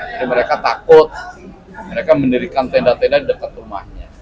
jadi mereka takut mereka mendirikan tenda tenda dekat rumahnya